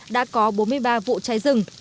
đã có bốn mươi ba vụ cháy rừng